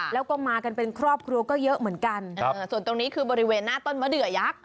แล้วก็มากันเป็นครอบครัวก็เยอะเหมือนกันส่วนตรงนี้คือบริเวณหน้าต้นมะเดือยักษ